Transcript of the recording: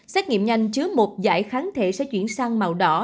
xét nghiệm nhanh chứa một giải kháng thể sẽ chuyển sang màu đỏ